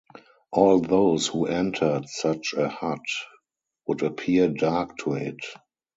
All those who entered such a hut would appear dark to it.